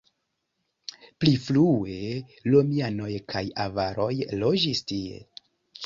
Pli frue romianoj kaj avaroj loĝis tie.